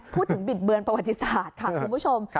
บิดเบือนประวัติศาสตร์ค่ะคุณผู้ชม